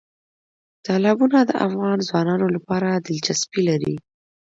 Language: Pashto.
تالابونه د افغان ځوانانو لپاره دلچسپي لري.